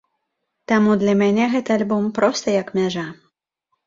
Таму для мяне гэты альбом проста як мяжа.